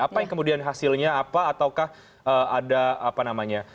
apa yang kemudian hasilnya apa ataukah ada apa namanya